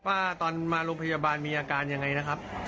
ว่าตอนมาโรงพยาบาลมีอาการยังไงนะครับ